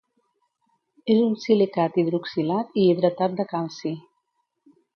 És un silicat hidroxilat i hidratat de calci.